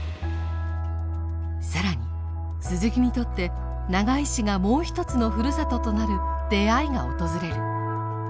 更に鈴木にとって長井市がもう一つのふるさととなる出会いが訪れる。